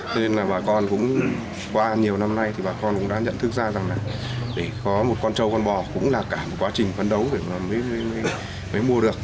cho nên là bà con cũng qua nhiều năm nay thì bà con cũng đã nhận thức ra rằng là để có một con trâu con bò cũng là cả một quá trình phấn đấu mới mua được